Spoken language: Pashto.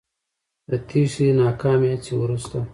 د تېښتې ناکامې هڅې وروسته